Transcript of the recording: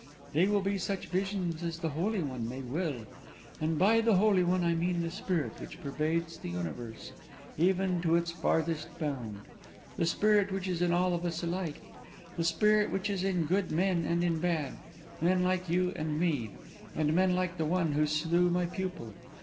They will be such visions as the Holy One may will; and by the Holy One I mean that Spirit which pervades the universe, even to its farthest bound; the Spirit which is in all of us alike; the Spirit which is in good men and in bad, men like you and me, and men like the one who slew my pupil.